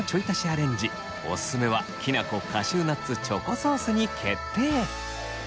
アレンジおすすめはきなこカシューナッツチョコソースに決定。